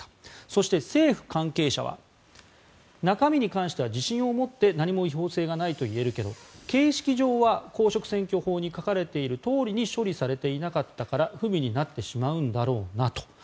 そして、政府関係者は中身に関しては自信を持って何も違法性がないと言えるけど形式上は公職選挙法に書かれているとおりに処理されていなかったから不備になってしまうんだろうなと。